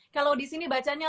kalau disini bacanya